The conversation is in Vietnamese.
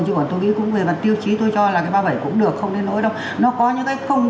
chứ còn tôi nghĩ cũng về mặt tiêu chí tôi cho là cái ba mươi bảy cũng được không nên nói đâu nó có những cái không